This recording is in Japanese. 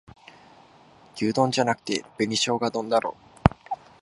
牛丼じゃなくて紅しょうが丼だろ